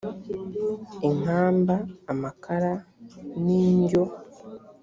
inkamba amakara n injyo